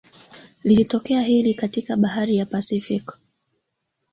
lililotokea hii leo katika bahari ya pacific